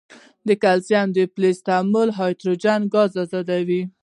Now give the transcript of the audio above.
د کلسیم د فلز تعامل هایدروجن ګاز آزادوي.